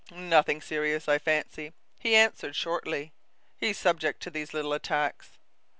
"Nothing serious, I fancy," he answered shortly. "He's subject to these little attacks."